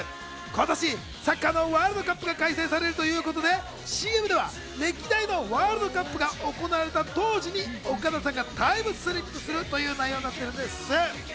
今年、サッカーのワールドカップが開催されるということでＣＭでは歴代のワールドカップが行われた当時に岡田さんがタイムスリップするという内容になっています。